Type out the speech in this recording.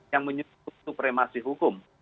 yang menyusut supremasi hukum